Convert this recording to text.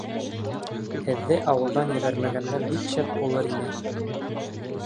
Һеҙҙе ауылдан ебәрмәгәндә бик шәп булыр ине!